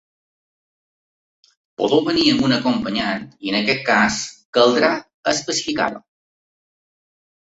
Podeu venir amb un acompanyant i en aquest cas caldrà especificar-ho.